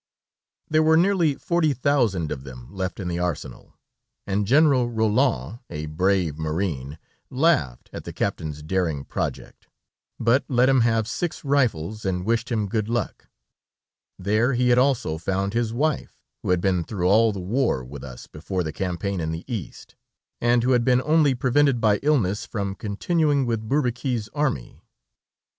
There were nearly forty thousand of them left in the arsenal, and General Roland, a brave marine, laughed at the captain's daring project, but let him have six rifles and wished him "good luck." There he had also found his wife, who had been through all the war with us before the campaign in the East, and who had been only prevented by illness from continuing with Bourbaki's army.